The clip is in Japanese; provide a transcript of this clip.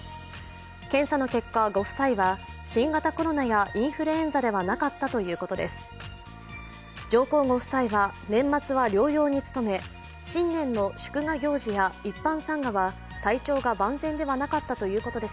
検査の結果、ご夫妻は新型コロナやインフルエンザではなかったということです。